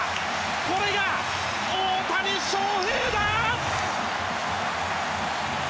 これが大谷翔平だ！